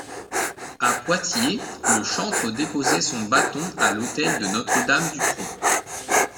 À Poitiers, le chantre déposait son bâton à l'autel de Notre-Dame du Tronc.